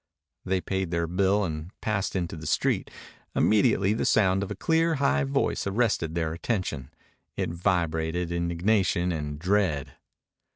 They paid their bill and passed into the street. Immediately the sound of a clear, high voice arrested their attention. It vibrated indignation and dread.